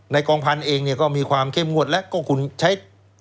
กองพันธุ์เองเนี่ยก็มีความเข้มงวดแล้วก็คุณใช้